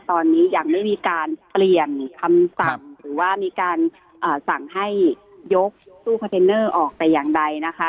ตอนนี้ยังไม่มีการเปลี่ยนคำสั่งหรือว่ามีการสั่งให้ยกตู้คอนเทนเนอร์ออกแต่อย่างใดนะคะ